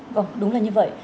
vâng đúng là như vậy